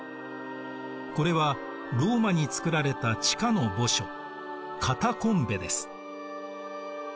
これはローマに作られた地下の墓所カタコンベです。